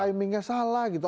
timingnya salah gitu